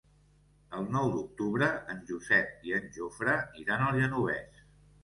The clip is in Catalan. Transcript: El nou d'octubre en Josep i en Jofre iran al Genovés.